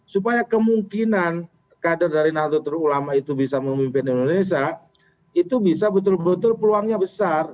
supaya kemungkinan kader dari nahdlatul ulama itu bisa memimpin indonesia itu bisa betul betul peluangnya besar